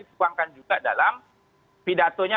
saya panggil juga dalam pidatonya